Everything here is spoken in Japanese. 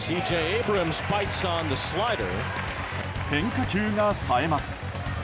変化球がさえます。